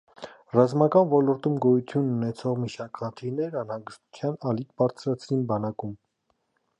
Ռազմական ոլորտում գոյություն ունեցող մի շարք խնդիրները անհանգստության ալիք բարձրացրին բանակում։